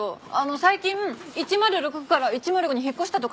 最近１０６から１０５に引っ越したとかないですよね？